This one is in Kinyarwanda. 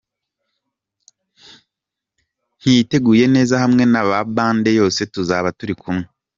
Nyiteguye neza hamwe na Band yose tuzaba turi kumwe.